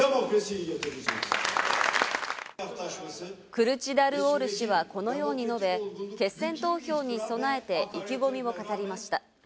クルチダルオール氏はこのように述べ、決選投票に備えて、意気込みを語りました。